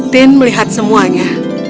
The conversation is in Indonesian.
tin melihat semuanya